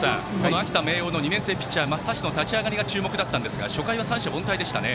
秋田・明桜の２年生のピッチャー松橋の立ち上がりが注目だったんですが初回は三者凡退でしたね。